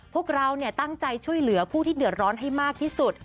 พวกเราตั้งใจช่วยเหลือผู้ที่เดือดร้อนให้มากที่สุด